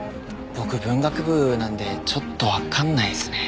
僕文学部なんでちょっとわかんないですね。